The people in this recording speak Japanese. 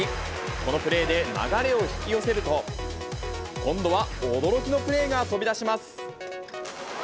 このプレーで流れを引き寄せると、今度は驚きのプレーが飛び出します。